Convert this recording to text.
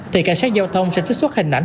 thì cảnh sát giao thông sẽ trích xuất hình ảnh